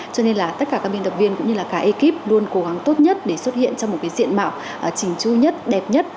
cho nên là tất cả các biên tập viên cũng như là cả ekip luôn cố gắng tốt nhất để xuất hiện trong một cái diện mạo chỉnh chu nhất đẹp nhất